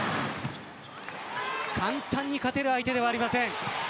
簡単に勝てる相手ではありません。